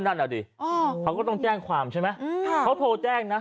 นั่นแหละดิอ๋อเขาก็ต้องแจ้งความใช่ไหมอืมครับเขาโพลแจ้งน่ะ